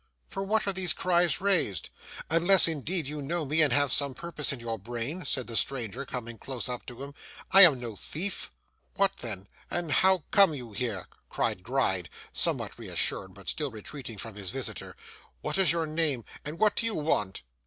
'For what are these cries raised? Unless indeed you know me, and have some purpose in your brain?' said the stranger, coming close up to him. 'I am no thief.' 'What then, and how come you here?' cried Gride, somewhat reassured, but still retreating from his visitor: 'what is your name, and what do you want?